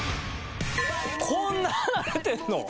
こんな離れてるの？